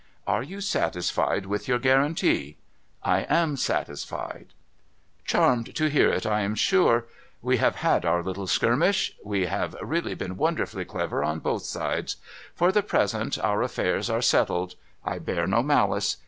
' Are you satisfied with your guarantee ?'' I am satisfied.' ' Charmed to hear it, I am sure. We have had our little skirmish — we have really been wonderfully clever on both sides. For the present our aftairs are settled. I bear no malice.